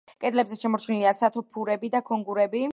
კედლებზე შემორჩენილია სათოფურები და ქონგურები.